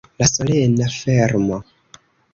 La solena fermo.